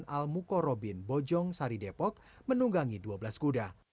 dan juga ada pemerintah yang menunggangi kuda